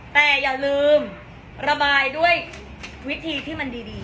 แต่อย่าลืมระบายด้วยวิธีที่มันดี